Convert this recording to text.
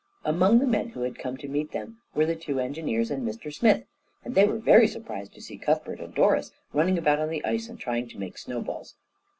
Among the men who had come to meet them were the two engineers and Mr Smith, and they were very surprised to see Cuthbert and Doris running about on the ice and trying to make snowballs.